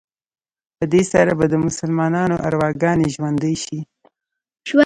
په دې سره به د مسلمانانو ارواګانې ژوندي شي.